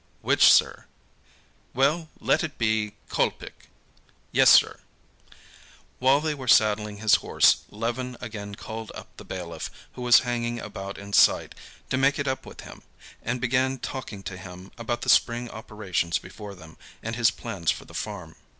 "Which, sir?" "Well, let it be Kolpik." "Yes, sir." While they were saddling his horse, Levin again called up the bailiff, who was hanging about in sight, to make it up with him, and began talking to him about the spring operations before them, and his plans for the farm.